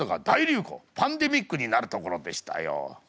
パンデミックになるところでしたよ。